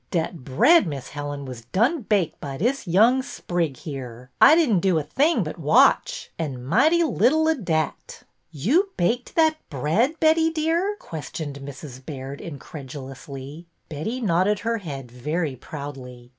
Dat bread. Miss Helen, was done baked by dis young sprig here. I di'n' do a ting but watch, an' mighty little o' dat." "You baked that bread, Betty, dear?" ques tioned Mrs. Baird, incredulously. Betty nodded her head very proudly.